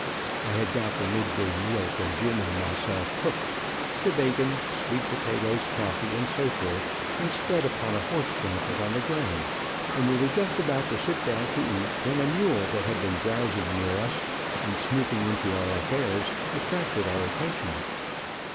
I had got the midday meal for Jim and myself cooked, the bacon, sweet potatoes, coffee and so forth, and spread upon a horse blanket on the ground, and we were just about to sit down to eat, when a mule that had been browsing near us, and snooping into our affairs, attracted our attention.